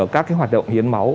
các hoạt động hiên máu